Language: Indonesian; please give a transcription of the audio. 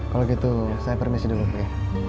kalo gitu saya permisi dulu ya